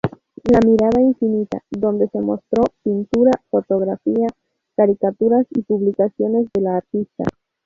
La mirada infinita", donde se mostró pintura, fotografía, caricaturas y publicaciones de la artista.